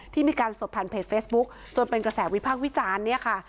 ที่มีการสดผ่านเพจเฟซบุ๊คจนเป็นกระแสวิพากษ์วิจารณ์เนี่ยค่ะ